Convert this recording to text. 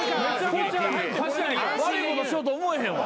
悪いことしようと思えへんわ。